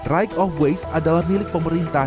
right of waste adalah milik pemerintah